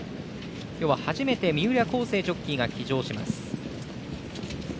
今日は初めて三浦皇成ジョッキーが騎乗します。